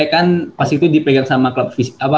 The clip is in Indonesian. kan pas itu dipegang sama klub